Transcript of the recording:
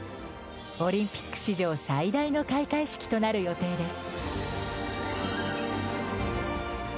オリンピック史上最大の開会式となる予定です。